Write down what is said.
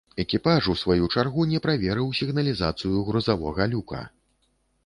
Экіпаж у сваю чаргу не праверыў сігналізацыю грузавога люка.